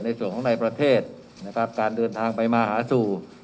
ในส่วนของในประเทศนะครับการเดินทางไปมาหาสู่